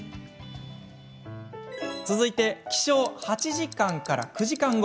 続いて、起床８時間から９時間後。